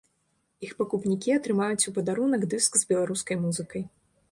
Іх пакупнікі атрымаюць у падарунак дыск з беларускай музыкай.